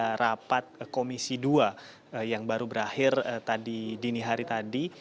pada rapat komisi dua yang baru berakhir tadi dini hari tadi